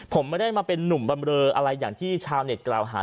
ผมไม่ได้มาเป็นนุ่มบำเรออะไรอย่างที่ชาวเน็ตกล่าวหา